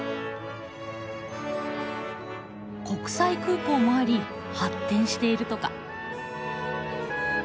国際空港もあり発展しているとか。